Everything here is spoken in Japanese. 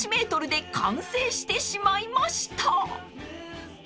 ８２８ｍで完成してしまいました］